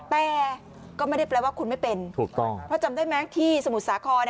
แต่ก็ไม่ได้แปลว่าคุณไม่เป็นถูกต้องเพราะจำได้ไหมที่สมุทรสาคร